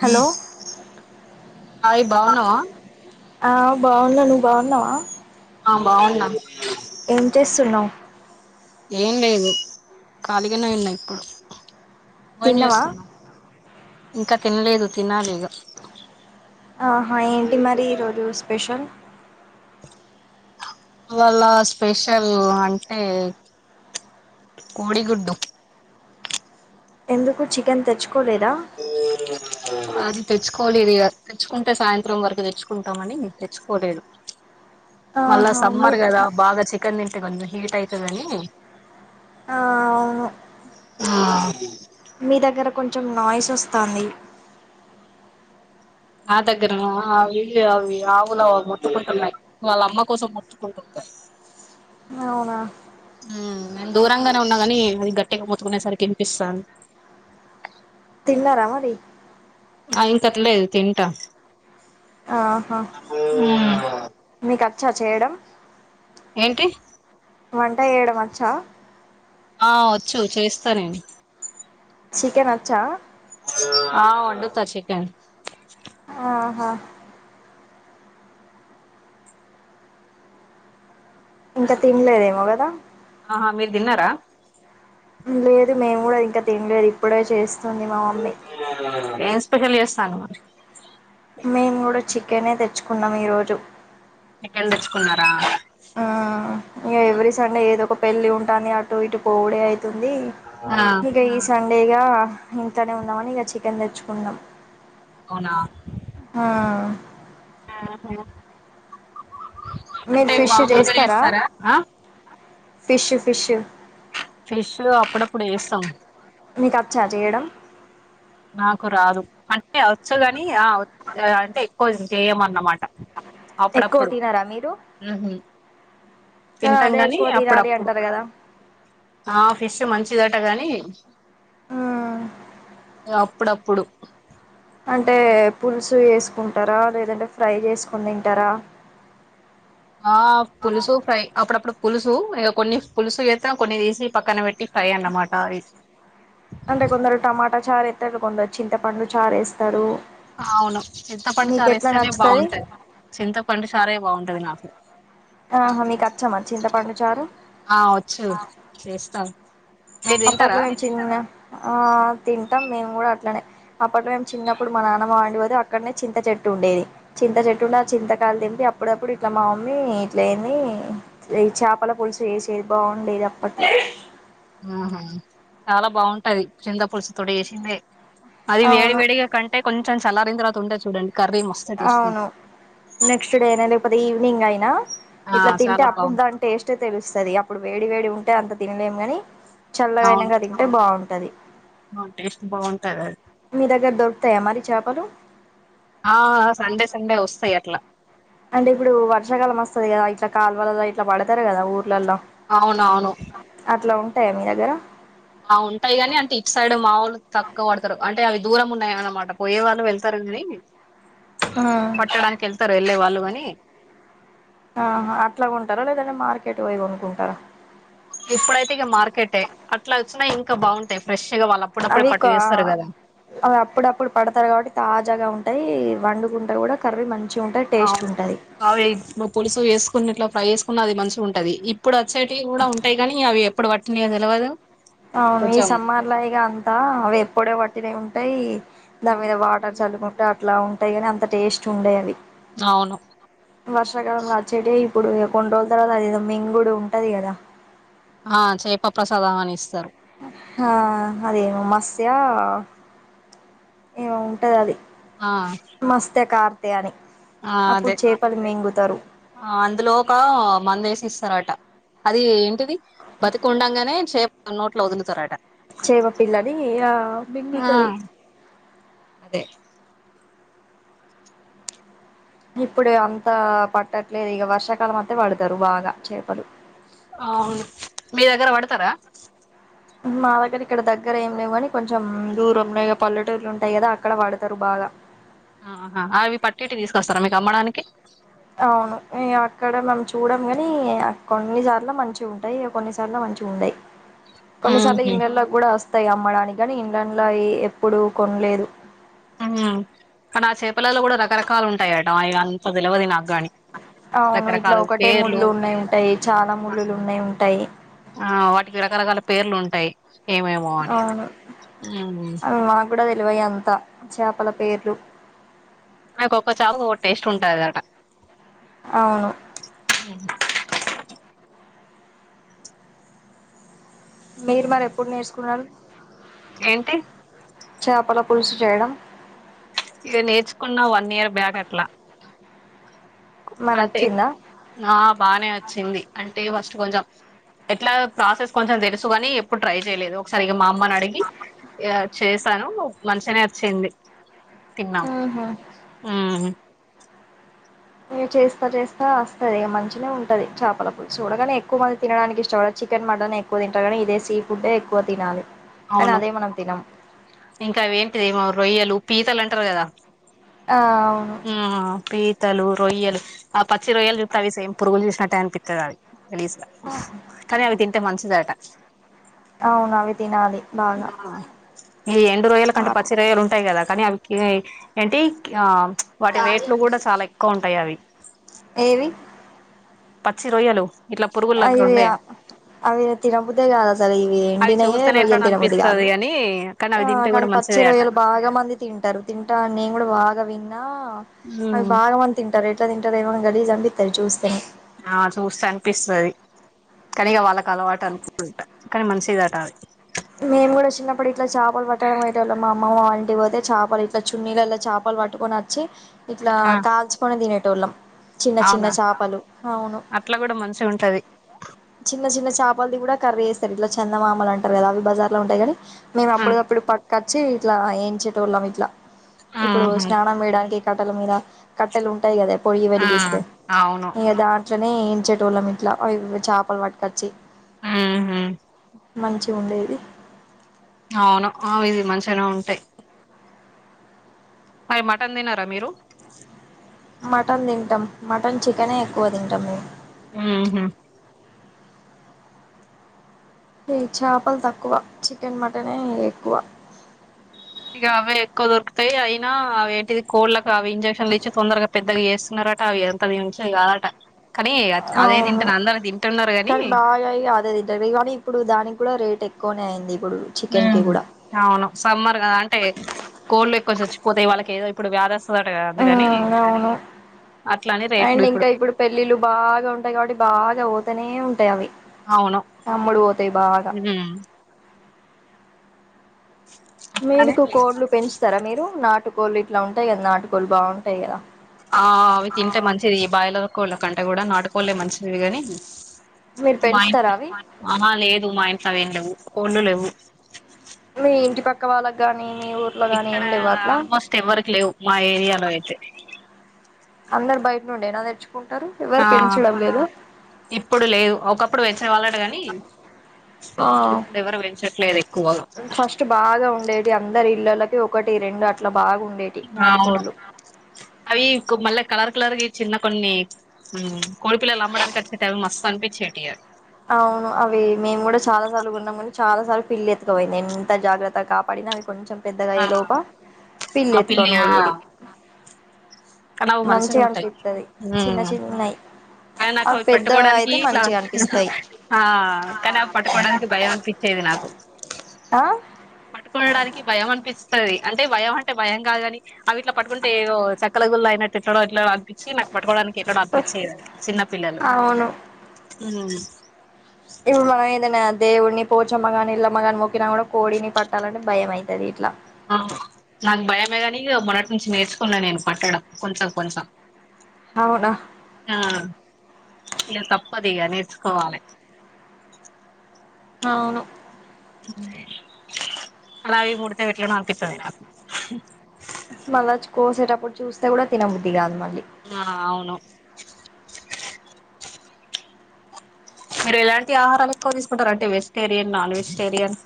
Hello Hari బావున్నావా ఆ బాగున్నా నువ్వు బాగున్నావా ఆ బాగున్నా ఏం చేస్తున్నావు ఏం లేదు ఖళీగానే ఉన్నా ఇప్పుడు మని తిన్నావా వస్తున్నా ఇంకా తినలేదు తినాలిక ఆహా ఏంటి మరి ఈరోజు స్పెషల్ ఇవాళ స్పెషల్ అంటే కోడిగుడ్డు ఎందుకు చికెన్ తెచ్చుకో కోలేద అది తెచ్చుకోలేదు ఇక తెచ్చుకుంటే సాయంత్రం వరకు తెచ్చుకుంటామని మేం తెచ్చుకోలేదు మళ్ళా ఆహా మీ సమ్మర్ కదా బాగా చికెన్ నిం హీట్ అయితదని ఆ అవును అ మీ దగ్గర కొంచెం నాయిస్ వస్తుంది నా దగ్గర అ అవి ఆవులు మొత్తుకుంటున్నాయి వాళ్ళ అమ్మ కోసం మొత్తుకుంటుంది అవునా నేను దూరంగానే ఉన్నాగాని అది గట్టిగా మోతుకునేసరికి వినిపిస్తాంది తిన్నారమరి ఆ ఇంకట్లేదు తింటా ఆహా ఉమ్ మీకు వచ్చా చేయడం ఏంటి వంట చేయడం వచ్చా ఆ వచ్చు చేస్తా నేను చికెన్ వచ్చా ఆ వండుతా చికెన్ ఆహా ఇంకా తినలేదేమో కదా ఆ మీరు తిన్నారా లేదు మేము కూడా ఇంకా తినలేదు ఇప్పుడే చేస్ స్తుంది మా మమ్మీ ఏమ్ స్పెషల్ చేస్తానవ్ మేమ్ కూడా చి చికేనే తెచ్చుకున్నాం ఈరోజు చికెన్ తెచ్చుకున్నారా ఆ ఇగ ఎవ్రీ సండే ఏదో ఒక పెళ్ళి ఉంటాంది అటు ఇటు పోవుడే అయి ఉంది ఆ ఇక ఈ సం సండేగా ఇంట్లనే ఉందాం అని ఇగ చికెన్ తెచ్చుకుందాం అవునా ఆహా మీరు అంటే ఫిష్ మామూలుగా చేస్తారా ఫిష్ ఫిష్ ఫిష్ అప్పుడప్పుడు చేస్తాం మీకు వచ్చా చేయడం నాకు రాదు అంటే వచ్చు కాని ఆ అంటే ఎక్కువ చేయ అన్నమాట ఎక్కువ తినరా మీరు ఉహు కానీ తింటాం అదే కాని ఎక్కువ తినాలి అప్పుడప్పుడు అంటారు కదా ఆ ఫిష్ మంచిదట గానీ మ్మ్ అప్పుడప్పుడు అంటే పులుసు వేసుకుంటారా లేదంటే ఫ్రై చేసుకుని తింటారా ఆ పులిసు ఫ్రై అప్పుడప్పుడు పులుసు ఇ కొన్ని పులుసు వేస్తా కొన్ని తీసి పక్కన పెట్టి ఫ్రై అన్నమాట అంటే కొందరు టమాటా చారేస్తారు కొందరు చింతపండు చారు వేస్తారు అవును చింతపండు మీకు చారు ఎట్లా ఎస్తేనే నచ్చుతది బాగుంటాది చింతపండు చారే బాగుంటాంది పదినాకు ఆహా మీకు వచ్చామ చింత పండు చారు ఆ వచ్చు చేస్తా అప్పు ఆట్లా వెంచిది న్ గా ఆ తింటాం మేము కూడా అట్లనే అప్పట్ మేము చిన్నప్పుడు మా నాన్న మాండి పోది అక్కడనే చింత చెట్టు ఉండేది చింత చెట్టు ఉండే ఆ చింతకాలు తింటి అప్పుడప్పుడు ఇట్లా మా మమ్మీ ఇట్ల ఏంది ఈ చేపల పులుసు వేసేది బాగుండేది అప్పట్లో ఆహ చాలా బాగుంటది చింద పులుసు తోడు చేసిండే అది వేడి అవును వేడిగా కంటే కొంచ చ లా తరువాత ఉంట చూడండి కర్రీ మస్తు టేస్ట్ అవును ఉంటది నెక్స్ట్ డే నా లేకపోతే ఈవనింగ్ అయిం ఆ ఇట్లా తింటే చాలా అప్పుడు బాగుంటది దాని టేస్టే తెలుస్తుది అప్పుడు వేడి వేడి ఉ టే అంత తినలేం కానీ చల్లగా అవును అయినాక తింటే బాగుం టది టేస్ట్ బాగుంటది అది మీ దగ్గర దొరుకుతాయా మరి చేపలు ఆ సండే సండే వస్తాయి అట్లా అంటే ఇప్పుడు వర్షాకాలం వస్తుది కదా ఇట్లా కాలువల ఇట్లా పడతారు కదా ఊరు ర్లలో అవునవును అట్లా టాయా మీ దగ్గర ఆ ఉంటాయి గాని అంటే ఇటు సైడ్ మాముూలు తక్కువ పడతారు అంటే అవి దూరం ఉన్నాయ అనమాట పోయే వాళ్ళు వెళ్తారు కానీ ఆ పట్టడానికిళ్తారు వెళ్ళే వాళ్ళు మని ఆ అట్లా కొంటారా లేదంటే మార్కెట్ పోయి కొనుకుంటారా ఇప్పుడైతే ఇగ మార్కెటే అట్లా వచ్చిన ఇం కా బాగుంటాయి ఫ్రెష్ గా వాళ్ళు అప్పుడప్పుడే అవి కా పట్టి చేస్తారు కదా అవి అప్పుడప్పుడు పడతారు కాబట్టి తాజాగా ఉంటాయి వండుకుంట కూడా కర్రి మం ఆవు అవే పులుసు వేసుకునీ గిట్లా ప్రై ఎస్ ఉన్నది మంచిగా ఉంటది ఇప్పు డ చెటివి కూడా ఉంటాయి కాని అవి ఎప్పుడు వట్టింది నే తెలవదు అవును ఈ కొంచెం సమ్మార్ల ఇగ అంతా వేప్పొడే వట్ ినే ఉంటాయి దాని మీద వాటర్ చల్లుకుంటే అట్లా టాయి కానీ అంత టేస్ట్ ఉండే యి అవి అవును వర్షాకాలంలా అచ్చేటే ఇప్పుడు ఇయ్ కొన్ని రోజుల తర్వాత అదిదో మింగుడు ఉంటది గదా ఆ చేప ప్రసాదం అని ఇస్తారు ఆ అదేమో మస్య ఏమో ఉంటది అది ఆ మస్తే కత్ త్యానీ ఆ అదే అందులో ఒక మందేసిస్తారట అది ఏంటిది బతుకుడాంగానే చేప్ ఆ నోట్లో వదులుతరటా చేప పిల్లని యా మింగుతారు అదే ఇప్పుడే అంత పట్టట్లేదు ఇగ వర్షాకాలం అంతే పడతారు బాగా చేపలు అవును మా దగ్గర ఇక్కడ దగ్గర ఏం లేవు కానీ కొంచెం దూరంలే ఇగ పల్లెటూర్లు ఉంటాయి గదా అక్కడ పడతరు బాగా ఆహా అవి పట్టిటు తీసుకొస్తారా మీకు అమ్మడానికి అవును, ఇంగ్ అక్కడ మనం చూడం గని. కొన్నిసార్లు మంచి ఉంటాయి, కొన్నిసార్లు మంచి ఉండయి కొన్నిసార్లు ఉహు ఇంగలో గుడా అస్ స్తాయి అమ్మడానికి గని ఇండ్లండ్లా అయి ఎప్పుడు కొన్లేదు కడ చేపలలో కూడా రకరకాలు ఉంటాయట. అయి అంత తెలవది నాకు గాని అవును ఇట్లా రకరకాల ఒకటే పేర్లు ముళ్ళు ఉన్నాయి ఉంటాయి. చాలా ముళ్ళులు ఉన్నాయి ఉంటాయి. ఆ వాటికి రకరకాల పేర్లు ఉంటాయి ఏమేమో అని అవును అవి మాగూడా తెలువయి అంత్ త్త చపల పేర్లు నాయ్కొక్క చాప ఓ టేస్ట్ ఉంటదిట అవును మీరు మరి ఎప్పుడు నేర్సుకున్నారు ఏంటి చాపల పులుసు చేయడం ఇగ నేర్చుకున్నా వన్ ఇయర్ బ్యాక్ అట్లా మరి అంటేక్ వచ్చిందా ఆ బానే వచ్చింది. అంటే ఫస్ట్ కొంజం ఎట్లాగా ప్రాసెస్ కొంచెం తెలుసుగాని ప్ ప్పుడ్ ట్రై జేలేదు ఒకసారి ఇగ మా మ్మనడిగి యా చేస్ తను మంచిగనే అచ్చింది తిన్నాం ఉహు మ్ చేస్తా జేస్తా అస్తది మంచిగానే ఉంటది. చాపల పులుసు కూడా గాని. ఎక్కువ మంది తినడానికి ఇష్టం పడడ్ చికెన్, మటన్ ఎక్కువ తింటారు గని. ఇదే సీ ఫుడ్డే ఎక్కువ తినాలే అనా అవును అదే మనం తినం ఇంకా అవి ఏంటిది ఏమో రొయ్యలు పీతలు అంటారు కదా ఆ అవును తలు రొయ్యలు ఆ పచ్చి రొయ్యలు చూస్తే అవి సేమ్ పురుగులు చూసినట్టే అనిపిస్తది అవి తెలీస్ కానీ అవి తింటే మంచిదట అవును అవి తినాలి బాగా ఆ ఈ ఎండు రోయ్యల చా కంటే పచ్చి రోయ్యలుంటయి కదా కానీ అవి కిని ఏంటీ వాటి వేట్లు కూడా చాలా ఎక్కువ ఉంటాయి అవి ఏవి పచ్చి రోయ్యలు అవి అవి తినబుద్దే కాదు అసలు ఇవి అవి ఎండినయే చూస్తేనే రొయ్యలు ఎట్లానో తినబుద్ది కాదు అనిపిస్తది అని కానీ అవి ఆ తింటే కానీ కూడా పచ్చి మంచిదే అట రొయ్యలు బాగా మంది తింటారు తింటా నేను కూడా బాగా విన్నా అవి బాగా మంది తింటార్ ఎట్ట తింటరో ఎమోగాని గలీస్ అనిపిస్తది చూస్తేనే ఆ చూస్తే అనిపిస్తది కానీ ఇగ వాళ్ళకి అలవాటు అనుకుటుంట కానీ మనిషి దాటాలి మేము కూడా చిన్నప్పుడు ఇట్లా చాపలు పట్టడాన్కి పోయెటోళ్ళం మా అమ్మమ్మ వాళ్ళింటికి పోతే చాపలు ఇట్లా చున్నీలల్లా చాపలు పట్టుకొని వచ్చి ఇట్లా ఆ కాల్చుకుని తినేట్ ట్టోలం అవునా అట్లా కూడా మంచి ఉంటది చిన్న చిన్న చాపలది కూడా కర్రీ చేస్తారు ఇట్లా చందమామలు అంటారు కదా అవి బజార్ లో ఉంటాయి కాని మేము అప్పుటికప్పుడు పక్కా చ్చి ఇట్లా ఏంచెటోళ్ళం ఇట్లా ఇప్పుడు ఆహా స్నానం వేయడానికి కట్టల మీద కట్టెలు ఉంటాయి కదా ఎప్ పొయ్యి ఆ వెలిగిస్తే అవును ఏంచేటోళ్ళం ఇట్లా చప్ పల్ పట్కొచ్చి ఊహూ మంచి ఉండేది అవును ఆ ఇది మను చాలా ఉంటాయి మరి మటన్ తినరా మీరు మటన్ తింటాం మటన్ చికెనే ఎక్కువ తింటాం మేము ఆహా చాపలు తక్కువ చికెన్ మటన్ ఏ ఎక్కువ ఇక అవే ఎక్కువ దొరుకుతాయి అయినా అవి ఏంటిది కోళ్కి అవి ఇంజెక్షన్లు ఇచ్చి తొందరగా పెద్దగా చేస్తున్నారట అవి ఎంతదించిది కాదట కానీ అదే అవును తింటారు అందరు తింటున్నారు గాని కానీ బాగా అదే తింటారు కానీ ఇప్పుడు దానికి కూడా రేట్ ఎ కోనయింది హూ అవును సమ్మర్ కదా అంటే కోళ్లు ఎక్కువ చచ్చిపోతాయి వాళ్ళకి ఏ ఇప్పుడు వారస్ ఉమ్ అవును అట్లానే రేట్లు అండ్ ఇంకా ఇప్పుడు పెళ్ళిళ్ళు బాగా ఉంటాయి కాబట్టి బాగా పోతనే ఉంటాయి అవి అవును అమ్ముడు పోతాయి బాగా ఉమ్ అట్లానే మీరుకు కోడ్లు పెంచుతారా మీరు నాటు కోళ్లు ఇట్లా ఉంటాయి కదా నాటుకోళ్లు బాగుంటాయి కదా ఆ అవి తింటే మంచిది బాయిలర్ కోళ్ళ కంటే కూడా నాటు పోలే మంచిదిగాని మీరు మా ఇం పెంచుతారా అవి ఆ లేదు మా ఇంట్ల అవి లేవు కోళ్ళు లేవు మీ ఇంటి పక్క వాళ్ళ గానీ ఇక్కడ ఆల్మోస్ట్ ఎవ్వరికి లేవు మా ఏరియాలో అయితే అందరు బయట నుండే నా తెచ్ కుంటారు ఎవరు ఆ పెంచడం లేదు ఇప్పుడు లేదు ఒకప్పుడు పెచ్ వాళ్ళట కాని ఇప్పుడు ఎవరు పెంచట్లేదు ఎక్కువగా ఫస్ట్ బాగా ఉండేటి అందరి ఇళ్లలకి ఒకటి రెండు అట్లా బాగా ఉండేటి అవును నాటుకోళ్లు అవి మళ్ళా కలర్ కలర్ చిన్న కొన్ని కోడి పిల్లలు అమ్మడానికి వచ్చేట అవి మస్తు అనిపించేటియ అవును అవి మేము కూడా చాలా సార్లు కొన్నాం కానీ చాలా సార్లు పిల్లి ఎత్తుకపోయింది ఎంత జాగ్రత్తగా కాపాడినా అవి కొంచెం పెద్దగా ఆ ఏ లో ప పిల్లి ఆ ఎత్తికొని ఆ వోయేది కానీ అవి మంచిగా మంచి ఉంటాయి అనిపిత్తది చిన్న ఉమ్ చిన్నయి కానీ నాకు ఆ అవి పెద్ద పట్టుకోవడానికి అయితే ఇట్లా మంచి అనిపిస్తాయి ఆ కానీ అవి పట్టుకోవడానికి భయం అనిపించేది నాకు ఆ పట్టుకోనడానికి భయం అనిపి స్తది అంటే భయం అంటే భయం కాదుగాని అవి ఇట్లా పడుకుంటే ఏదో చ కలగుల్ల అయినట్లా ఇట్ల నో ఎట్ల నో ప్పించి నాకు పట్టుకోవడానికి ఎట్ల నో అనిపించేది చిన్న పిల్లలు నో నో ఇవ మ నైననాన్ దేవుడిని పోచమ్మ గానీ ఎల్లమ్మ కానీ మొక్కినా కూడా కోడిని పట్టాలంటే భయం అయితది ఇట్లా నాకు భయమే కానీ మొన్నటి నుంచి నేర్చుకున్నా నేను పట్టడం కొంచెం కొంచెం అవునా ఆ ఇ తప్పు పదిగా నేర్చుకోవాలి అవును కళవి మూడతే ఎట్లనో అనిపిస్తది మళ్ళ కోసేటప్పుడు చూస్తే కూడా తినబుద్ది కాదు మళ్ళీ ఆ అవును మీరు ఎలాంటి ఆహారాలు ఎక్కువ తీసుకుంటారు అంటే వెజిటేరియన్ నాన్ వెజిటేరియన్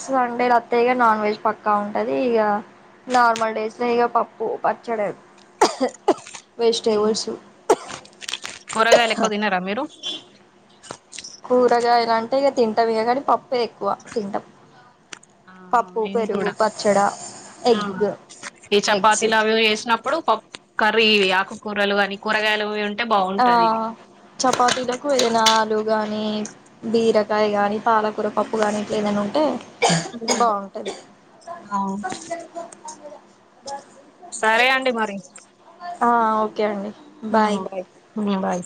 సండే రత్త ఇక నాన్ వెజ్ పక్కా ఉంటుంది ఇక నార్మల్ డేస్లో ఇక పప్పు పచ్చడి వెజిటేబుల్సు కూరగాయలు ఎక్కువ తినరా మీరు కూరగాయల అంటే ఇక తింటాం ఇక కానీ పప్పుే ఎక్కువ తింటాం ఆహ పప్పు మేం పెరుగు కూడా పచ్చడా ఎగ్ ఈ ఎగ్స్ చపాతీలు అవి వేసినప్పుడు పప్ కర్రీ ఆకు కూరలు అని కూరగాయలు ఆ బాగుంటది ఇవి చపాతిలకు ఏదనా గాని [unintelligible] బీరకాయ నీ పాల కూర పప్పు కానీ ఇంట్లో ఏదైనా ఉంటే బాగుంటుంది అవును సరే అండి మరి ఆ ఓకే అండి హ్మ్ బాయ్ హ్మ్మ బాయ్